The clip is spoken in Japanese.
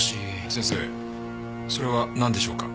先生それはなんでしょうか？